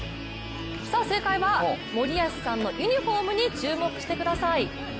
正解は、森保さんのユニフォームに注目してください。